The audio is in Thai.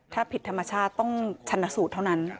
ถ้าผิดธรรมชาติต้องชันสูตรเท่านั้น